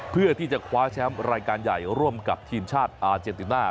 เพื่อที่จะคว้าแชมป์รายการใหญ่ร่วมกับทีมชาติอาเจนติน่า